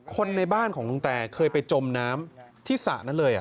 คนในบ้านของลุงแตเคยไปจมน้ำที่สระนั้นเลย